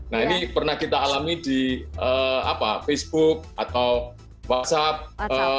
nah ini pernah kita alami di facebook atau whatsapp